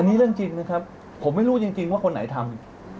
อันนี้เรื่องจริงนะครับผมไม่รู้จริงว่าคนไหนทำ